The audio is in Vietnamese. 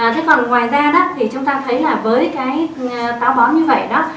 thế còn ngoài ra thì chúng ta thấy là với cái táo bón như vậy